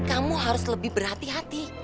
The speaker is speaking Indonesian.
kamu harus lebih berhati hati